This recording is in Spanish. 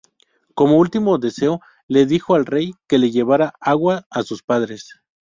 Como último deseo le dijo al rey que le llevara agua a sus padres.